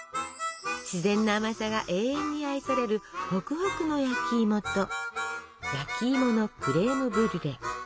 自然な甘さが永遠に愛されるホクホクの焼きいもと焼きいものクレームブリュレ。